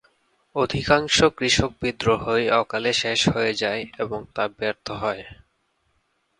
অধিকাংশ কৃষক বিদ্রোহই অকালে শেষ হয়ে যায় এবং তা ব্যর্থ হয়।